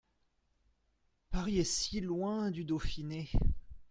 Paris est si loin du Dauphiné !